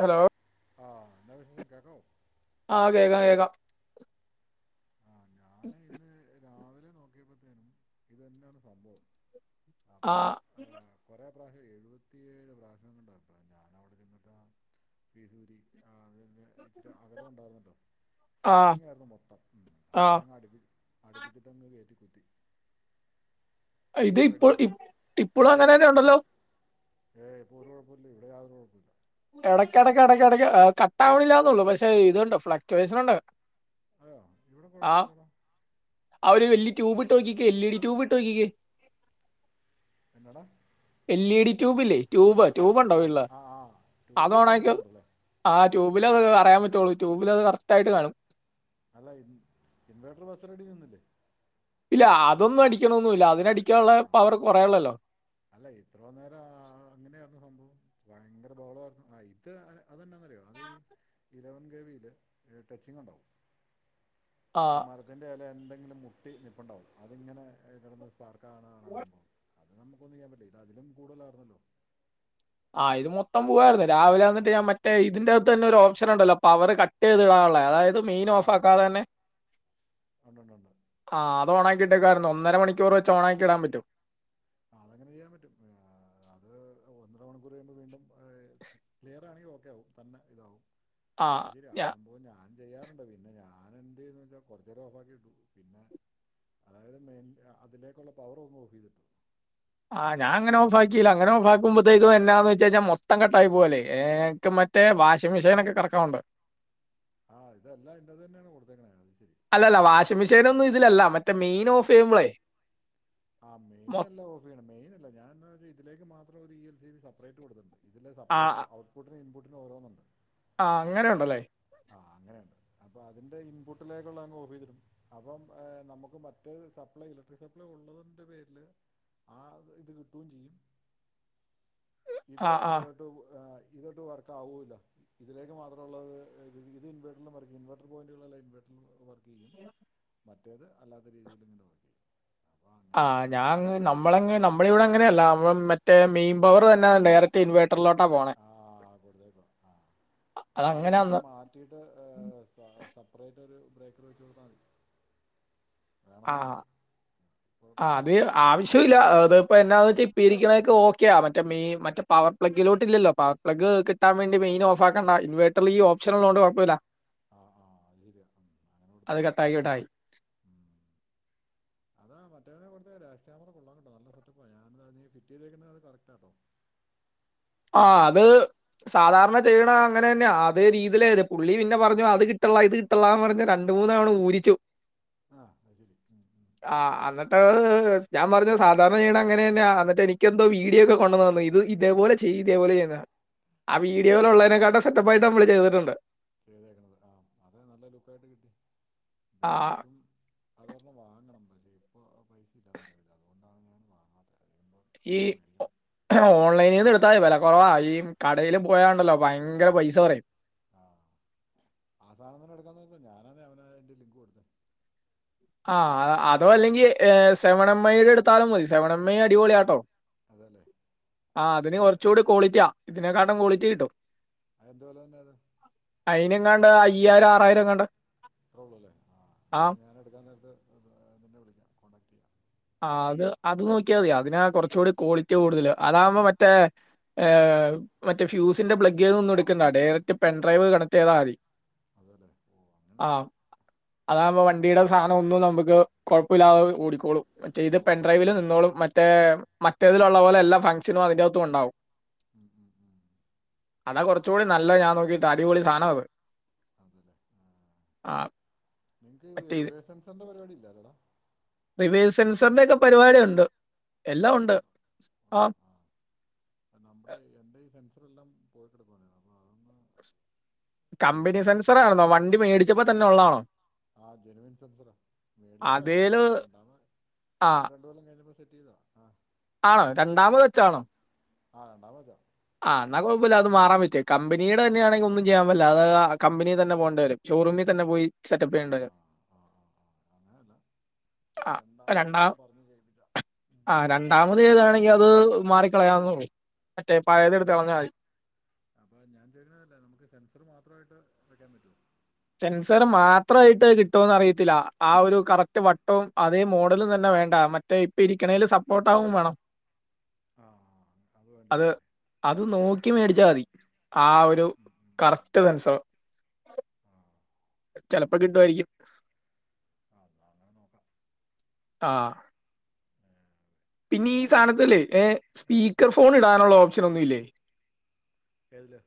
Hello ആ എന്താ വിശേഷം കേക്കാവോ ആഹ് കേൾക്കാം കേക്കാം ആ ഞാൻ ഇന്ന് രാവിലെ നോക്കിയപ്പോത്തേനും ഇത് തന്നെയാണ് സംഭവം ആ അപ്പോ കൊറെ എഴുപത്തിയേഴ് പ്രാവശ്യം കൊണ്ടപ്പ ഞാൻ അവിടെ ചെന്നിട്ട ഫീസൂരി [inaudible] ആ ആ അടുപ്പിച്ചിട്ടങ്ങട് കയറ്റി കുത്തി ഇത് അപ്പോൾ ഇപ്പോ റെഡിയായി ഇ ഇപ്പോളും അങ്ങനെ തന്നെ ഉണ്ടല്ലോ ഏ ഇപ്പൾ ഒരു കുഴപ്പമില്ല ഇവിടെ യാതൊരു കുഴപ്പമില്ല എടക്ക് എടക്ക് എടക്ക് കട്ടാവണില്ലന്നള്ളു പക്ഷെ ഇതുണ്ട് ഫ്ളക്ചവേഷൻണ്ട് ആഹ് ഇവിടെ കൊഴപ്പില്ലോടോ ആ ഒരു വല്യ ട്യൂബ് ഇട്ടോക്കിക്ക എൽ ഇ ഡി ട്യൂബ് ഇട്ടോ ക്കിക്കേ എന്നാടാ എൽ ഇ ഡി ട്യൂബില്ലേ ട്യൂബ് ട്യൂബ് ഉണ്ടോ ആ ഇള്ള ആ ആ ട്യൂബിൽ അതോണാക്കി കാണിക്കുന്നുണ്ടല്ലേ ട്യൂബിലാത് അറിയാൻ പറ്റുള്ളൂ ട്യൂബിൽ അത് കറക്റ്റ് ആയിട്ട് കാണും അല്ല ഇൻ ഇൻവേർട്ടർ ബസ്സിനടി നിന്നില്ലേ. ഇല്ല അതൊന്നും അടിക്കണൊന്നുല്ല. അതിനടിക്കാള്ള ആ പവർ കൊറേള്ളല്ലോ. അല്ല ഇത്രോ നേരൊ ആഅങ്ങെനാരുന്നു സംഭവം. ഭയ്ങ്കര ബഹളവാരുന്നു. ആ ഇത് അതന്ന ന്താന്നറിയോ ഓ അത് ഈ ഇലവൻ കെ വീല് ഏ ടച്ചിങ് ഒണ്ടാവും. ആ ഈ മര്ത്തിന്റെ എല എന്തെങ്കിലും മുട്ടി നിപ്പുണ്ടാവും. അതിങ്ങനെ എ കെടന്ന് സ്പാർക്കാ [unintelligible] അത് നമുക്ക് ഒന്നും ചെയ്യാൻ പറ്റില്ല ഇത് അതിലും കൂടുതലാരുന്നല്ലോ ആഹ ഇത് മൊത്തം പോവായിരുന്നു രാവിലെ വന്നിട്ട് ഞാ മറ്റേ ഇതിന്റെറ അകത്ത് തന്നെ ഒരു ആ ഓപ്ഷൻ ഉണ്ടല്ലോ പവ കട്ട്യ്ത്ഇടാള്ളേ അതായത് മെയിൻ ആ ഓഫ് ആകാതെ തന്നെ ഉണ്ട് ഉണ്ട് ഉണ്ട് ആ ഓണാക്കിട്ടേക്കായിരുന്നു ഒന്നര മണിക്കൂ വെച്ച് ഓണാക്കിടാൻ പറ്റും അങ്ങനെയ്യാൻ പറ്റും അത് ഒന്നര മണിക്കൂർ കഴിയുമ്പോ വീണ്ടും ക്ലിയർ ആണെങ്കിൽ ഓക്കെ ആകും തന്നെ ഇതാവും ആ അയിശേരി ആ ഞാ- സംഭവം ഞാൻ ചെയ്യാറുണ്ട് പിന്നെ ഞാൻ എന്ത്‌യ്യോന്ന്വെച്ചാ കൊറച്ചേരം ഓഫ്‌ ആക്കി ഇട്ടു പിന്നെ അതായത് മൈൻ അതിലേക്കുള്ള പവർ ഒന്ന് ഓഫ് ചെയ്തിടും ആഹ ഞാ അങ്ങനെഓഫാക്കിലാ അങ്ങനെഓഫാക്കുമ്പോത്തേക്കും എന്നാന്ന് വെച്ച് കഴിഞ്ഞാ മൊത്തം കട്ടായി പോലല്ലേ ഏക്കും മറ്റേ വാഷിംഗ് മെഷീനോക്കെ കറക്കുണ്ട് ആഹ് ഇതെല്ലാം നിന്റേത് തന്നെയാണ് കൊടുത്തേക്കണാ അയിശേരി അല്ലല്ല വാഷിംഗ് മെഷീനൊന്നും ഇതിലല്ല മറ്റേ മെയിൻ ഓഫ് ചെയ്യുമ്പളേ ആമെയിൻ അല്ല ഓഫീയ്യണത് മെയിൻ അല്ല ഞാൻന്തച്ചാ ഇതിലേക്ക് മാത്രം ഒരു E L C B separate കൊടുത്തിണ്ട് ഇതില ആ സപ്ലൈക്കും ഔട്ട്പുട്ടും ഇൻപുട്ടിനും ഓരോന്നുണ്ട് ആ അങ്ങനെ ഉണ്ടല്ലേ ആ അങ്ങനെയാണ് അതിൻ്റെ ഇൻപുട്ടിലേക്കുള്ള അങ് ഓഫ്യ്തിടും അപ്പം ഏ നമുക്ക് മറ്റേ സപ്ലൈ ഇലക്ട്രിക് സപ്ലൈ കൂടും ഉള്ളതിന്റെ പേരില് ആ ഇത് കിട്ടുകയും ചെയ്യും ആ ഇത് ആ ഏറ്റവും ഏ ഇതൊട്ട് വർക്ക് ആവൂല ഇതിലേക്ക് മാത്ര ഉള്ളത് ഏ ഇത് ഇൻവെർട്ടർ ലും വർക്ക്‌യ്യും ഇൻവർ പോയിന്റുകളല്ലാം ഇൻവർറും വർക്ക്‌ [unintelligible] മറ്റേത് അല്ലാത്ത രീതിയിൽ ഇങ്ങനെ വർക്ക്‌ ചെയ്യും ആ അങ്ങനെ ഞാ നമ്മള നമ്മളെ ഇവിടെ അങ്ങനെയല്ല മറ്റേ മെയിൻ പവർ വരുന്ന ഡയറക്റ്റ് ഇൻവേർട്ടർ പോണേ ആ ആ അപ്പൊ അത് അതങ്ങനെ ഇടക്ക് അന്ന് മാറ്റിട്ട് സ സെപ്പറേറ്റ് ഒരു ബ്രേക്കർ വെച്ചോട്താടി ആ ആ അത് കുഴപ്പമൊന്നുമില്ല ആവശ്യില്ല അത് ഇപ്പ എന്നാന്ന് വെച്ച ഇപ്പോ ഇരിക്കണൊക്ക് ഓക്കെയാ മറ്റേ മൈ മറ്റേ പവർ പ്ലഗിലോട്ടില്ലല്ലോ പവർ പ്ലഗ് കിട്ടാൻ വേണ്ടി മെയിൻ ഓഫ്യ്യണ്ട ഇൻവെർട്ടറിൽ ഈ ഓപ്ഷൻഉള്ളണ്ട് കുഴമില്ല ആ ആ ഉ അത്ശരിയാ അങ്ങനെ കൊടുത്താ അത് മതി കട്ടായി കട്ടായി. ഉ അതാ മറ്റവനെ കൊടുതദി ഡാഷ് ക്യാമറ കൊള്ളാകേട്ടോ ട നല്ല സെറ്റപ്പാ ഞാന ഫിറ്റ് ചെയ്തേക്കുന്നത് അത് കറക്റ്റാട്ടോ [unintelligible] ആ അത് സാധാരണ ചെയ്യണ അങ്ങനെ തന്നെ അതേ രീതിയിലാ അത് പുള്ളി പിന്നെ പറഞ്ഞു അത് കിട്ടുള്ള ഇത് കിട്ടുള്ള എന്ന് പറഞ്ഞ രണ്ട് മൂന്ന് തവണ ഊരിച്ചു ആ അത് ശരി ഉം ഉം ഉം ആ അന്നിട്ട് ഞാൻ പറഞ്ഞു സാധാരണയ്യ്ണ അങ്ങന തന്നെയ എന്നിട്ട് എനിക്കന്തോ വീഡിയോ ഒക്കെ കൊണ്ടുന്നു ഇത്പോലെ ചെയ്തേ പോലെ ചെയ്യുന്ന ആ വീഡിയോൽ ഉള്ളൈനെക്കാട്ടിലും സെറ്റപ്പായിട്ട് നമ്മള് ചെയ്തിട്ടുണ്ട് ചെയ്തേക്കണത് ആ അത് നല്ല ലുകായിട്ട് കിട്ടി ആ എനിക്കും അതോരെണം വാങ്ങണം പക്ഷെ ഇപ്പോൾ പൈസ ഇല്ല അങ്ങനെ അതുകൊണ്ടാണ് ഞാൻ വാങ്ങാത്തെ ഏയ് ഓൺലൈനിൽന്ന് എടുത്താതി വില കൊറവാ ഈ കടൽ പോയാലുണ്ടല്ലോ ഭയങ്കര പൈസ പറയും ആ ആ സാധനം തന്നെ എടുക്കാ വെച്ചിട്ടാ ഞാനാന്ന് അവന് അതിന്റെ ലിങ്ക് കൊടുത്തെ ആ അതോ അല്ലെങ്കിൽ സെവൻ എം ഐയുടെ അടുത്താലും മതി സെവൻ എം ഐ അടിപൊളിയാട്ടോ അതല്ലേ ആ അതിന് അത് കൊറച്ചുകൂടി കൊളിറ്റാ ഇതിനെക്കാട്ടും കൊളിറ്റി കിട്ടും അയിന്ത് വേലാ ന്നേരം എങ്ങാണ്ട് അയ്യായിരം ആറായിരം എങ്ങാണ്ട് അത്ര ഉള്ളൂ അല്ലേ ആ എന്നാൽ ഞാൻ എടുക്കാൻ നേരത്ത്ന്നെ വിളിക്കാം കോൺണ്ടാക്ട് ചെയ്യാം ആ അത് അത് നോക്കിയാതി അതിനാ കുറച്ചുകൂടി ക്വാളിറ്റി കൂടുതല് അതാകുമ്പോ മറ്റേ ഏ മറ്റെ ഫ്യൂസിന്റെ പ്ലഗ് ഒന്നും എടുക്കുന്നാ ഡയറക്റ്റ് പെൻഡ്രൈവ്ന്ന് കണക്റ്റ് ചെയ്താൽ മതി അതെ അതെ ഓ അങ്ങനെ ഉണ്ടോ അതാവുമ്പോ വണ്ടിയുടെ സാനം ഒന്നു നമക്ക്. കുഴപ്പല്ലാതെ. ഓടിക്കോളൂ... മറ്റേ ഇത് പെൻ ഓടിക്കോളൂ ഡ്രൈവില് നിന്നോളും. ഉം മറ്റേയേം... മറ്റേതിലുള്ള വൊലെ എല്ലാ ഫംഗ്ഷനും അതിന്റെറകത്തും ഉണ്ടാവും.... ഉം ഉം ഉം എന്നാ കുറച്ചുകൂടി നല്ലഞാൻ നോക്കിട്ട് അടിവൊളി സാനാവു [unintelligible] അത് ആ ആ നിങ്ങക്ക്. മറ്റേ ഇത് റിവേഴ്സൻസന്റെ പരിപാടി. ഇല്ലാരാടാ [unintelligible] ടിൻസറിന്റെ ക്കെ പരിപാടിണ്ട്.... ഒണ്ടോ ആ അപ്പൊ നമ്മടെ എൻ്റെ ഈ സെൻ്ററി ഇത്രല്ലാം പോയിക്കടുക്കന്നരുന്നു അപ്പോ അതൊന്ന് കമ്പനി മൊത്തം സെൻസറാണൊ വണ്ടി മേടിച്ചപ്പോ തന്നെ ഉള്ളണോ. ആഹ് ജിനുവിൻ സെൻസറാ മേടിച്ചപ്പോ എല്ല. അതേല് [unintelligible] ആ ഞൻ ണ്ടു കൊല്ലം കയ്ഞപ്പോ സെ.. ഇതാ അഹ് ആണോ, രണ്ടാമത് ച്ചാണോ? ആഹ് രണ്ടാമെച്ചാ ആഹ്, എന്നാ കൊഴപ്പല്ല്യ അത് മാറാ വെറ്റ് കമ്പനിടെ തന്നെയാണെങ്കി. ഒന്നും ചെയ്യാൻ പറ്റ്‌ല അത് കമ്പിനി തന്നെ പോണ്ടി വരും. ഷോറൂമിതന്നെ പോയി സെറ്റപ്പ് ആ യേണ്ടരും. ആ ആ ആ അങ്ങനെയല്ല ആഹ് രണ്ടാമത് രണ്ടാം ഞാൻ പറഞ്ഞു ചെയ്യിപ്പിച്ച ആഹ് രണ്ടാമത് ചെയ്താണേ ഇനി അത് മാറിക്കളയാന്നെ ഒള്ളൂ മറ്റേ പഴയതെടുത്ത് കളഞ്ഞാൽ മതി അത് ചെയ്യന അല്ല നമ്മുക്ക് സെസർ മാത്ര ആയിട്ട് വെക്കാൻ പറ്റുവൊ സെൻസർ മാത്രയിട്ട് കിട്ടോ അറിയത്തില്ല ആ ഒരു കറക്റ്റ് വട്ടവുഅതേ മോഡലും തന്നെ വേണ്ട മറ്റേ ഇപ്പെ ഇരിക്കണേൽ സപ്പോർട്ട് ആവും വേണം. ആഹ് അത് വേണ്ടി വരും അത് നോക്കി മേടിച്ചാമതി ആ ഒരു ഉം, ഉം, ഉം. കറക്റ്റ് സെൻസർ ആ ചെലപ്പ കിട്ടുവാരികും. ആഹ് അങ്ങനെ നോക്കാം ആഹ് ഏ, പിന്നി വേറെ എന്താ നിങ്ങൾക്ക് സാനത്തിലേ ഏഹ് സ്പീക്കർ ഫോൺ ഇടാനുള്ള ഓപ്ഷൻ ഒന്നു ഇല്ലേ. എതില്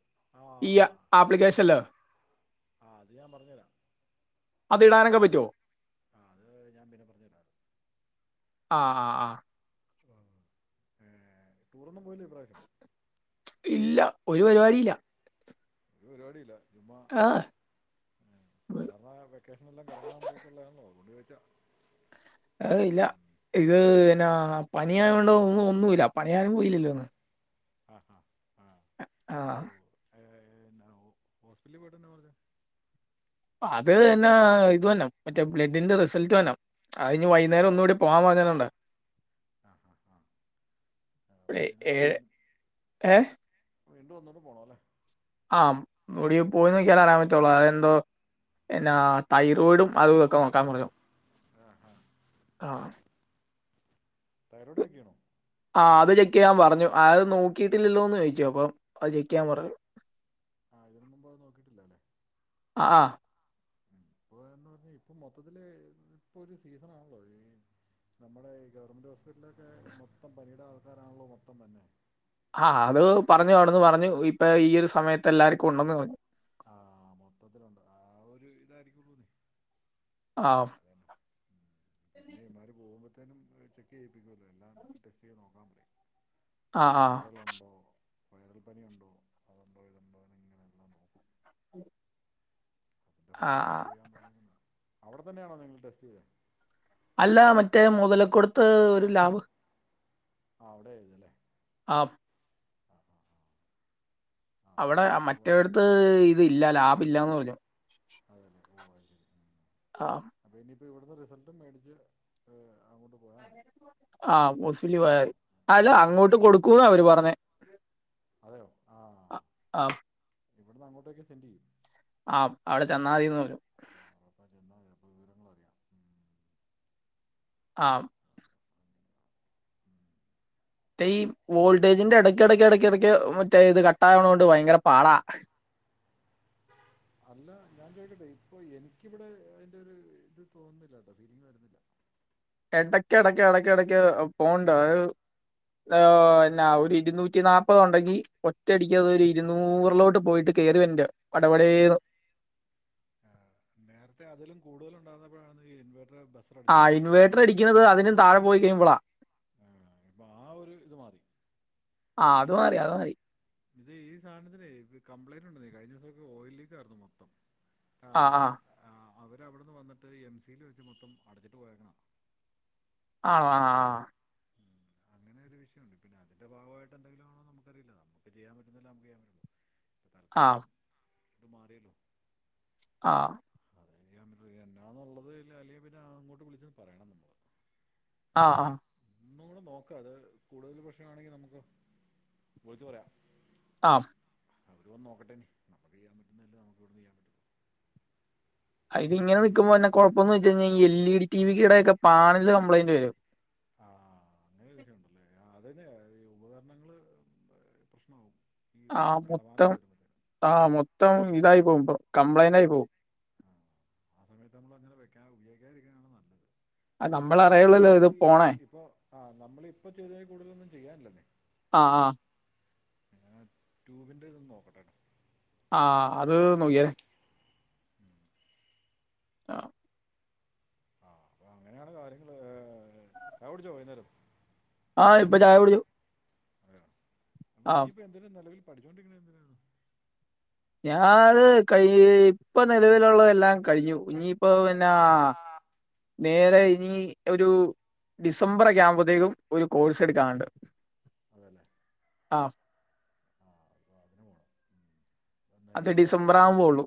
ഈയ്യ ആപ്ലിക്കേഷല്ലോ. ആഹ് അത് ഞാൻ പറഞ്ഞു തരാം അത് ഇടാനൊക്കെ പറ്റൊ. ആത് ഞാൻ പിന്നെ പറഞ്ഞു തരാം ആഹ് ആഹ് ആഹ്. ആഹ് റ്റുറൊന്നും പൊന്നി ഈ പ്രശം. ഇല്ല ഒരു പരിപാടി ഇല്ല ഒരു പരിപാടിഇല്ല. ചുമ്മ സാധാരണ വെക്കേഷനെല്ലാം കറങ്ങാൻ പോക്കുള്ളാആന്നോ അതൊണ്ട് ചോയി [unintelligible] ആഹ് ഇല്ല. ഇത്ഹ് എന്നാ പനി ആയോണ്ട് ഒന്നു ഒന്നുഇല്ല പണിയാനും ഇല്ലില്ലേന്ന്. ആഹ ഹ ഓ ഏ ഏ പിന്നെ ഓസ്പിറ്റലിൽ പോയിട്ടന്നാ പറഞ്ഞ്? അത് എനാ ഇതൊന്ന മറ്റേ ബ്ലഡിൻ്റ റിസൾട്ട് വെരണം, അ ഇഞ്ഞ് വൈന്നേരം ഒന്നുടി പോവാൻ പറഞ്ഞിട്ടുണ്ട് [inaudible] ഏ ഏഴ് വൈുന്നേരം [inaudible] ഏ വീണ്ടും ഒന്നോടെ പോണല്ലേ? ആ ന്നൂടി പോയിനോകിയാലേ അറാൻപറ്റുള്ളൂ അതെന്തോ എന്നാ തൈറോയിഡും അതു തൊക്കെ നോക്കാൻ പറഞ്ഞു, ആ ആ ആ തൈറോയ്ഡ് ചെക്ക് ചെയ്യണോ? ആ അത് ചെക്ക് ചെയ്യാൻ പറഞ്ഞു, അത് നോക്കിയിട്ടില്ലല്ലോന്ന് ചോദിച്ചു അപ്പംഅത് ചെക്ക് ചെയ്യാൻ പറഞ്ഞു. ആ ഇതിനു മുമ്പ് അത് നോക്കിയിട്ടില്ല അല്ലേ ആ. ഇപ്പൊ എന്ന് പറഞ്ഞ ഇപ്പൊ മൊത്തത്തില് പ്പൊ ഒരു സീസൺാണല്ലോ ഇ നമ്മുടെ ഈ ഗവർമെന്റ് ഹോസ്പിറ്റല്. നീടെ ആൾക്കാരാണല്ലോ മൊത്തം തന്നെ. ആ അത് പറഞ്ഞു അവിടുന്ന് പറഞ്ഞ് ഇപ്പൊ ഈ യൊരു സമയത്ത് എല്ലാർക്കും ഉണ്ടന്ന് പറഞ്ഞു. ആഹ മൊത്തത്തിലുണ്ട് ആ ഒരു ഇതായിരിക്കു [inaudible] ആഹ്. പിന്നെ ഇമാര് പോകുമ്പോത്തേനും ചെക്ക് ചെയ്യിപ്പിക്കുവല്ലോ എല്ലാം ടെസ്റ്റ് ചെയ് നോക്കാ ആ ആ ആ വൈറലുണ്ടോ [inaudible] വൈറൽ പനി ഉണ്ടോ അതുണ്ടോ ഇതുണ്ടോ എന്നിങ്ങനെല്ലാം നോക്കും അതിന്റെ ആ. ഭാഗായിട്ട് ചെയ്യാൻ പറഞ്ഞെ അവിടെ തന്നയാണോ നിങ്ങള് ടെസ്റ്റ് ചെയ്തെ അല്ല മറ്റേ മുതല കൊടുത്ത് ഒരു ലാഭ് ആ അവിടെ ആതല്ലേ ആപ്പ് [inaudible] അവടെ കുഴപ്പമില്ല അപ്പൊ വൈ മറ്റെടത്ത് ഇത് ലാഭ ഇല്ലന്ന് പറഞ്ഞു അതന്ന ആ അപ്പ ഇവിടന്ന് റിസൾട്ടും മേടിച്ച് അങ്ങോട്ട് പോയാ മതി ആമുസ്ലി ലവിയാ മരി അലൊഅങ്ങോട്ട് മതി കൊടുക്കൂ വ അവര് പറഞ്ഞേ അ അം ഇവിടന്ന് അങ്ങോട്ടൊക്ക് സെന്റ് ചെയ്യു ആഅവിടെ ചെന്നാൽതിന്ന് പറഞ്ഞു അപ്പ ചെന്നാൽ ചിലപ്പോൾ വിവരങ്ങൾ അറിയാം ആ മറ്റേ ഈ വോൾട്ടേജിന്റെ ഇടയ് ഇടക്ക് ഇടക്ക് ഇടക്ക്ക്ക് മറ്റേ ഇത് കട്ട ആവണൊണ്ട് ഭയങ്കര പാടാ. [inaudible] അല്ല ഞാൻ ചോയ്ക്കട്ടെ ഇപ്പൊ എനിക്കിവിടെ അയിന്റെ ഒരു ഇത് തോന്നുന്നില്ല ട്ടോ ഫീലിങ്ങ്വരുന്നില്ല എടക്ക്‌ എടയ്ക്ക എടക്ക് എടക്ക് പോണ്ട് അ ന്ന ഔ എന്നാ ഒരു ഇരുന്നൂറ്റി നാല്പത് ഉണ്ടെങ്കി ഒറ്റയടിക്ക് അത് ഒരു ഇരുന്നൂറിലോട്ട് പോയിട്ട് കേറി വറന്റെ പട പാടെന്ന് ആ നേരത്തെ അതിലും കൂടുതല് ഒ ണ്ടാർന്നപ്പോഴാണ് ഇൻ ആ ഇൻവേറ്ററടിക്ന്നത് അതിനും താഴെ പോയി കഴിയുമ്പളാ പ ആ ഒര് ഇത് മാറി. ആഹ് അത് മാറി അത് മാറി ഇത് ഈ സാധനത്തിനെ കംപ്ലയിന്റ്ണ്ട്ന്നെ കഴിഞ്ഞ ദിവാസൊക്ക ഓയിൽ ലീക്ക് ആയിരുന്നു മൊത്തം. ആഹ് ആ അവരവിടുന്ന് വന്നിട്ട് എം സിൽ വെച്ച് മൊത്തം അടച്ചിട്ട് പോയേക്കണ [inaudible] [unintelligible] അങ്ങ ഒരു വിയം ഉ പിന്നെ ഒരു വിഷയ ണ്ട്അതിന്റെ ഭാഗായിട്ട എന്തെങ്കിലും ആണോ നമുക്കറിയില്ല നമുക്ക് ചെയ്യാൻ പറ്റുന്നതല്ല നമക്ക് ചെയ്യൻ പറ്റോ ആഹ് ത് മാറ്യേല്ലോ? ആഹ അതെ എന്നാണന്നുള്ളത് അല്ലെങ്കിൽ പിന്നെ അങ്ങോട്ട് വിളിച്ചന്ന് പറയണം നമ്മൾ ആ ആഹ' ഒന്നുകൂടി നോക്കാത് കൂടുതൽ 'പ്രശ്ണാണെങ്കി നമുക്ക് വിളിച്ച് പറയ ആമ് അവരൊന്ന് നോക്കട്ടെനി നമുക്ക് ചെയ്യാൻ പറ്റുന്നല്ല നമുക്ക് ഇവടന്ന് ചെയ്യാൻ പറ്റു ആ ഇത് ഇങ്ങനെ നിക്കുമ്പോ വരുന്ന കുഴപ്പന്ന് വെച്ച് കഴിഞ്ഞ എൽ ഇ ഡി ടി വിയുടെ ഒക്കെ പാനലിന് കംപ്ലയിന്റ് വരും ആ അങ്ങനെ ഒരു വിഷയമുണ്ടല്ലേ, ആ അതന്നെയ ഈ ഉപകരണങ്ങള് പ്രശ്നാവും. ആ മൊത്തം ആ മൊത്തം ഇതായി പോകും കംപ്ലയിന്റായി പോവും ആ ആ സമയത്ത് നമ്മൾ അങ്ങനെ വെക്കാ ഉപയോഗിക്കാതിരിക്കാനാണ് നല്ലത് അത് നം ക്ഷെ ഇനിയിപ്പോ ഇതിൽ ഇപ്പൊ ആ നമ്മളിപ്പ ചെയ്തേൽ കൂടുതലൊന്നും ചെയ്യാനില്ലെന്നേ ആ ആ ട്യൂബിന്റെ ഇതൊന്ന് നോക്കട്ടെട്ടോ ആ അത് നോക്കിയര് ആ ആഹ അപ്പൊ അങ്ങനെയാണ് കാര്യങ്ങള് ഹ് ഛായ കുടിച്ചോ വൈന്നേരം? ആ ഇപ്പൊ ഛായ കുടിച്ചു. ആ നീയിപ്പൊ എന്തിനാ നെലവിൽ പഠിച്ചോണ്ടിരിക്കണ്? എന്തിനാണ്? ഞാനത് കൈ ഇപ്പൊ നെലവിലുള്ളതെല്ലാം കഴിഞ്ഞു. ഇഞ്ഞി ഇപ്പൊ പിന്നെ നേരെ ഇനി ഒരു ഡിസംബറൊക്കെ ആകുമ്പോത്തേക്കും. ഒരു കോഴ്സ് ആ എടുക്കാനുണ്ട്. അതല്ലേ ആ ആ അപ്പൊ അതിനു പോണം അത് ഡിസംബർ ആവുമ്പോള്ളൂ.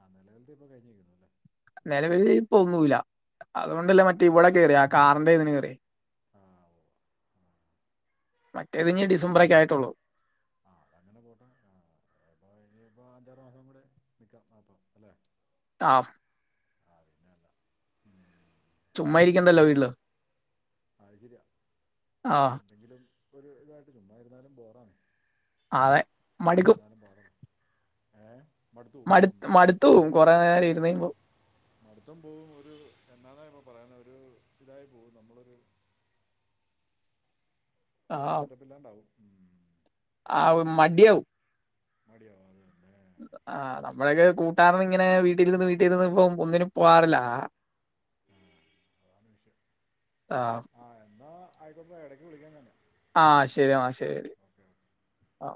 ആ നിലവിലത്തെ ഇപ്പോൾ കഴിഞ്ഞിരിക്കുന്നു അല്ലേ നെലവില് ഇപ്പൊ ഒന്നൂല്ല. അതുകൊണ്ടല്ലേ ആ മറ്റേ ഇവിടെ കേറിയേ ആ കാറിന്റെ ഇതിന് കേറിയേ ആ ഓ ആ മറ്റേത് ഇനി അപ്പോൾ ഡിസംബറൊക്കെ ആയിട്ടുള്ളു. ആ അപ്പൊ അഞ്ചാറു മാസം കൂടെ നിക്കാം അപ്പം അല്ലെ? ആഫ് ആ പിന്നല്ല. ചുമ്മാ ഇരിക്കണ്ടല്ലോ വീട്ടില് അത് ശര്യ ആഹ് എന്തെങ്കിലും ഒരു തായിട്ട് ചുമ്മാ ഇരുന്നാലും ബോറാണ്. അതെ ചുമ്മാ മടുക്കും. ഇരുന്നാലും പാടാണ് ഏ മടുത്തു പോവും. മടുത്ത് ഉം. മടുത്തു കൊറേ ഇരുന്ന്കയ്യുമ്പോ അടുത്തം പോവും ഒരു എന്നണ കയ്യുമ്പോ പറയാന ഒരു ഇതായി പോവും നമ്മളൊരു. ഒരു സെറ്റപ്പ് ഇല്ലാണ്ടാവും. ഉം. ആ മടിയാവും. മടിയാവും അതാണ്. ആ നമ്മളക്കെ കൂട്ടുകാരനിങ്ങനെ വീട്ടിലിരുന്ന് വീട്ടിലിരുന്ന് ഇപ്പൊ ഒന്നിനും പോവാറില്ല. അതാണ് വിഷയം. ആഹ് ആ എന്നാ ആയിക്കോട്ടട ഇടക്ക് വിളിക്കാം നിന്നെ. ആ ശരി ആ ശരി ആ